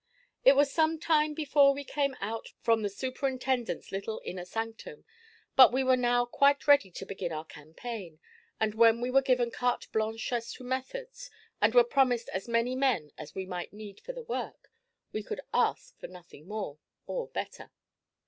It was some time before we came out from the superintendent's little inner sanctum, but we were now quite ready to begin our campaign; and when we were given carte blanche as to methods, and were promised as many men as we might need for the work, we could ask for nothing more, or better.